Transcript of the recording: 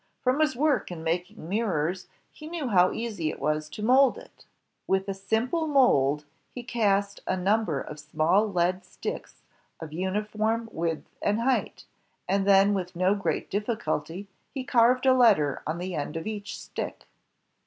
From his work in making mirrors he knew how easy it was to mold it. With a simple mold he cast a niunber of small lead sticks of uniform width and height, and then with no great diflEiculty he carved a letter on the end of each stick.